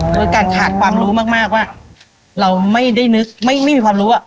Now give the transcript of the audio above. โดยการขาดความรู้มากว่าเราไม่ได้นึกไม่มีความรู้